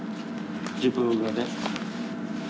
自分がね。